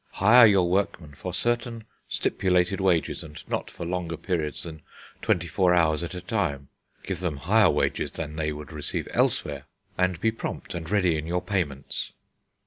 Hire your workmen for certain stipulated wages, and not for longer periods than twenty four hours at a time. Give them higher wages than they would receive elsewhere, and be prompt and ready in your payments."